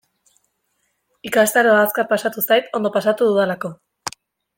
Ikastaroa azkar pasatu zait, ondo pasatu dudalako.